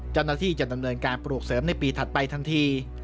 เจ้าหน้าที่จะดำเนินการปลูกเสริมในปีถัดไปทันที